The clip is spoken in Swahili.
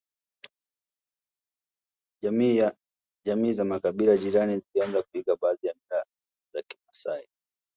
Jamii za makabila jirani zilianza kuiga baadhi ya mila za kimasai